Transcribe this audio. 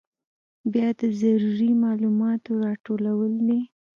بیا د ضروري معلوماتو راټولول دي.